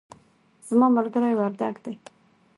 زما ملګری وردګ دی